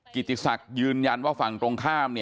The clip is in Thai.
กิติศักดิ์ยืนยันว่าฝั่งตรงข้าม